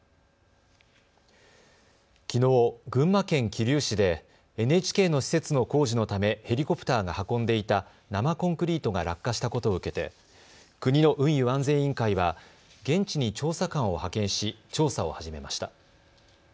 きのう、群馬県桐生市でＮＨＫの施設の工事のためヘリコプターが運んでいた生コンクリートが落下したことを受けて国の運輸安全委員会は現地に調査官を派遣し調査を始めました。